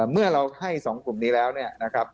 เมื่อเราให้๒กลุ่มนี้แล้วเนี่ยนะครับ